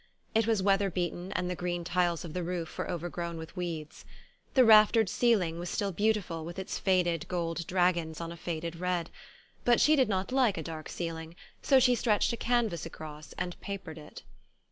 It was weather beaten and the green tiles of the roof were overgrown with weeds. The raftered ceiling was still beautiful with its faded gold dragons on a faded red ; but she did not like a dark ceiling, so she stretched a canvas across and papered it.